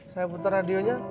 saya putar radionya